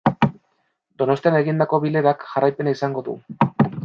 Donostian egindako bilerak jarraipena izango du.